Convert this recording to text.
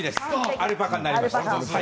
アルパカになりました。